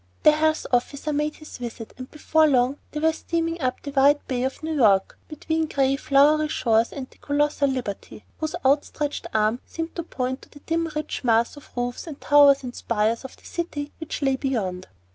The health officer made his visit, and before long they were steaming up the wide bay of New York, between green, flowery shores, under the colossal Liberty, whose outstretched arm seemed to point to the dim rich mass of roofs and towers and spires of the city which lay beyond.